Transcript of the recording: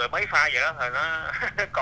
rồi tôi thấy nó hay quá